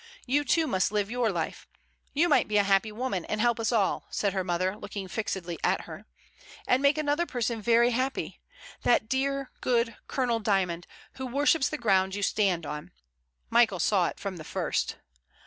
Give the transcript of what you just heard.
You too must live your life. You might be a happy woman, and help us all," said her mother, looking fixedly at her. "And make another person very happy — that dear, good Colonel Dymond, who worships the ground you stand on. Michael saw it from the first."